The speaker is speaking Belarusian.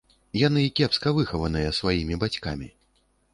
Яны кепска выхаваныя сваімі бацькамі.